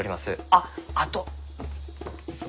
あっあと。